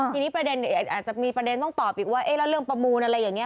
ทีนี้ประเด็นอาจจะมีประเด็นต้องตอบอีกว่าเอ๊ะแล้วเรื่องประมูลอะไรอย่างนี้